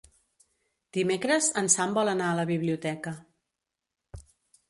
Dimecres en Sam vol anar a la biblioteca.